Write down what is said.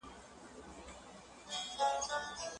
فایټېټ د زینک جذب کموي.